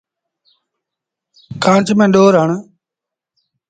کآݩچ ميݩ ڏور هڻ۔